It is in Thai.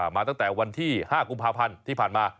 มาตั้งแต่วันที่๕กุมภาพันธ์ที่ผ่านมา